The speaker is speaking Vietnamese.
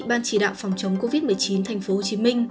ban chỉ đạo phòng chống covid một mươi chín tp hcm